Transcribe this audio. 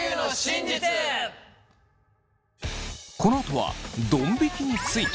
このあとはどん引きについて。